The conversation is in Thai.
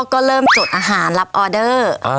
ก็เริ่มจดอาหารรับออเดอร์